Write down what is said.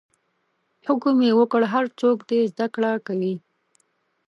حکم یې وکړ هر څوک دې زده کړه کوي.